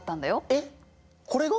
えっこれが！？